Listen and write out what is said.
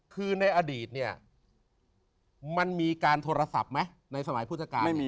คือในอดีตเนี่ยมันมีการโทรศัพท์ไหมในสมัยพุทธกาล